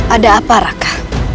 ada apa raka